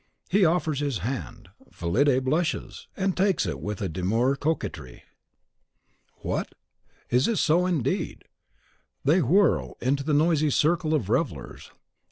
He offers his hand; Fillide blushes, and takes it with a demure coquetry. What! is it so, indeed! They whirl into the noisy circle of the revellers.